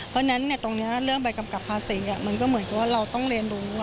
เพราะฉะนั้นตรงนี้เรื่องใบกำกับภาษีมันก็เหมือนกับว่าเราต้องเรียนรู้